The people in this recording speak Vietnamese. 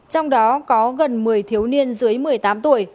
trong đó có gần một mươi thiếu niên dưới một mươi tám tuổi